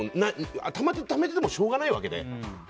お金をためていてもしょうがないわけで。